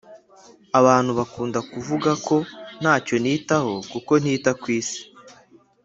Abantu bakunda kuvuga ko ntacyo nitaho kuko ntita kw’isi